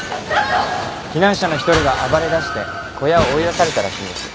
避難者の一人が暴れ出して小屋を追い出されたらしいんです。